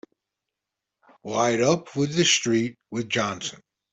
Light up with the street with Johnson!